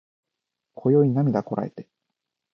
今宵涙こらえて